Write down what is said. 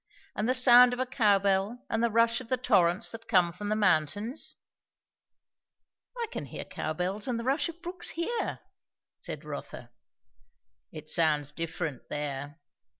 and the sound of a cowbell, and the rush of the torrents that come from the mountains?" "I can hear cowbells and the rush of brooks here," said Rotha. "It sounds different there."